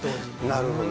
なるほどね。